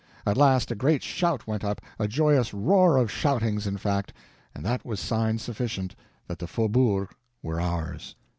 At last a great shout went up—a joyous roar of shoutings, in fact—and that was sign sufficient that the faubourgs were ours.